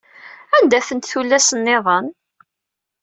Anda-tent tullas nniḍen?